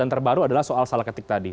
dan terbaru adalah soal salah ketik tadi